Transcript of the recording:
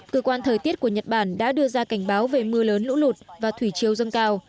cơ quan thời tiết của nhật bản đã đưa ra cảnh báo về mưa lớn lũ lụt và thủy chiêu dâng cao